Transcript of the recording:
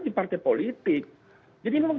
di partai politik jadi memang